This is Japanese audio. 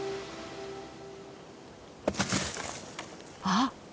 ・あっ